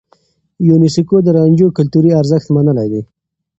يونيسکو د رانجو کلتوري ارزښت منلی دی.